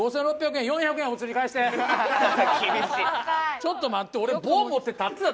ちょっと待って！